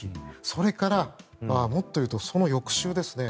それから、もっと言うとその翌週ですね。